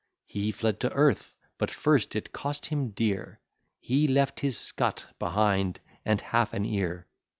He fled to earth, but first it cost him dear; He left his scut behind, and half an ear.